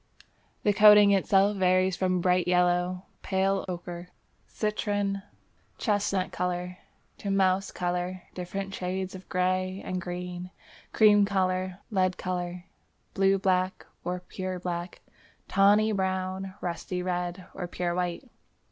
The coating itself varies from "bright yellow, pale ochre, citron, chestnut colour, to mouse colour, different shades of grey and green, cream colour, lead colour, blue black or pure black, tawny, brown, rusty red or pure white."